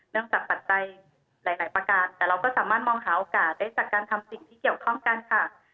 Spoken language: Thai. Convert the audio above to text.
จากปัจจัยหลายประการแต่เราก็สามารถมองหาโอกาสได้จากการทำสิ่งที่เกี่ยวข้องกันค่ะ